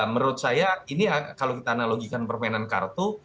menurut saya ini kalau kita analogikan permainan kartu